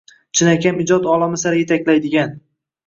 Chinakam ijod olami sari yetaklaydigan.